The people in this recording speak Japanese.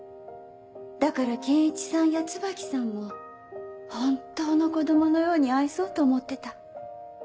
だから憲一さんや椿さんも本当の子供のように愛そうと思ってた。